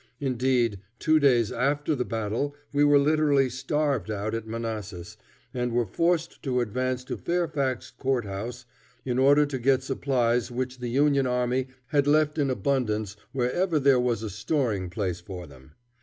Indeed, two days after the battle we were literally starved out at Manassas, and were forced to advance to Fairfax Court House in order to get the supplies which the Union army had left in abundance wherever there was a storing place for them.